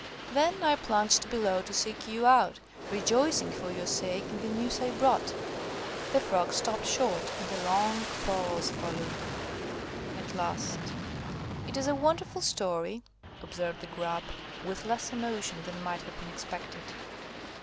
Then I plunged below to seek you out, rejoicing for your sake in the news I brought." The Frog stopped short, and a long pause followed. At last–"It is a wonderful story," observed the Grub, with less emotion than might have been expected.